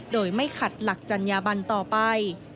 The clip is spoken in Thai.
โดยไม่ขัดหลักจัญญาบันต่อไป